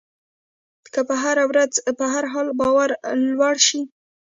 که په هره ورځ په هر حالت کې باور لوړ وساتئ.